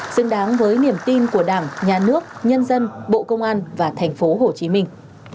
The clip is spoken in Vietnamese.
xứng đáng với niềm tin của đảng nhà nước nhân dân bộ công an và thành phố hồ chí minh